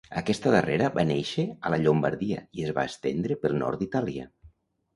Aquesta darrera va néixer a la Llombardia i es va estendre pel nord d'Itàlia.